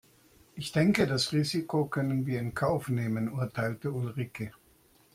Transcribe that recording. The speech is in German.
Ich denke das Risiko können wir in Kauf nehmen, urteilte Ulrike.